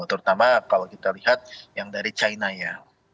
terutama kalau kita lihat yang dari china ya